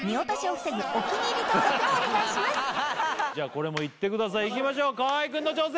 これもういってくださいいきましょう河井くんの挑戦